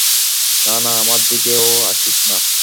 না, না, আমার দিকেও আসিস না।